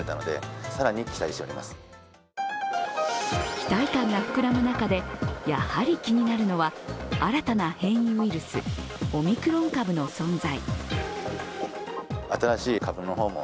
期待感が膨らむ中で、やはり気になるのは新たな変異ウイルスオミクロン株の存在。